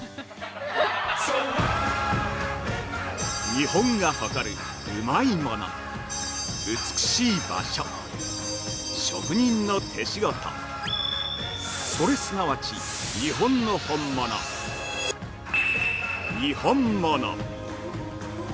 ◆日本が誇るうまいもの、美しい場所、職人の手仕事それ、すなわち日本の本物にほんもの。